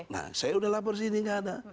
nah saya udah lapor sini nggak ada